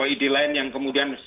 ide lain yang kemudian